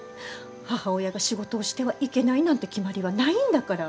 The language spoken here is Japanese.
母親が仕事をしてはいけないなんて決まりはないんだから。